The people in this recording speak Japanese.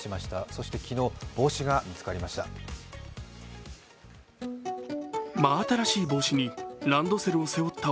そして昨日帽子が見つかりました。